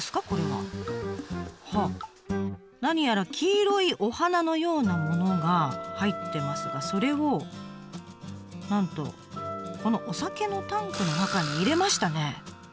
はあ何やら黄色いお花のようなものが入ってますがそれをなんとこのお酒のタンクの中に入れましたね。